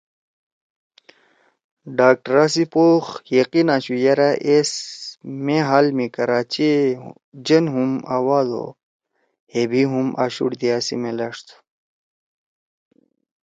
ڈاکٹرا سی پوخ یقین آشُو یِرأ کو ایس مےحال می کراچی ئے جن ہُم آواد او ہے بھی ہُم آشُوڑ دیا سی میلأݜ تُھو